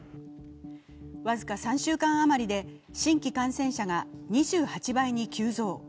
僅か３週間余りで新規感染者が２８倍以上に急増。